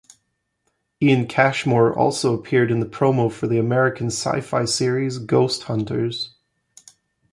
Ian Cashmore also appeared in the promo for the American Syfy series "Ghost Hunters".